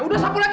udah sapu lagi